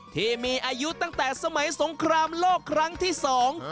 ที่มีอายุตั้งแต่สมัยสงครามโลกครั้งที่สอง